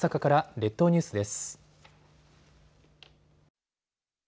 列島ニュースです。